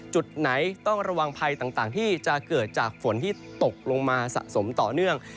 จุดไหนต้องระวังภัยต่างที่จะเกิดจากฝนที่ตกลงมาสะสมต่อเนื่อง